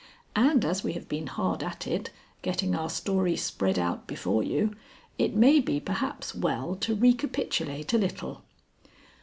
And as we have been hard at it, getting our story spread out before you, it may be perhaps well to recapitulate a little.